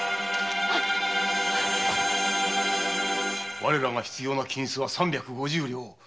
我らが必要な金子は三百五十両。